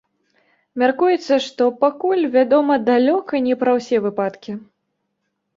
Мяркуецца, што пакуль вядома далёка не пра ўсе выпадкі.